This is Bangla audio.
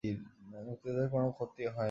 মুক্তিযোদ্ধাদের কোনো ক্ষতি হয়নি।